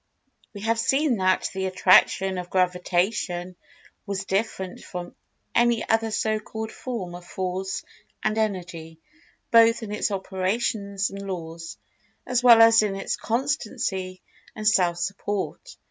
We have seen that the Attraction of Gravitation was different from any other so called form of Force and Energy—both in its operations and laws, as well as in its constancy and self support.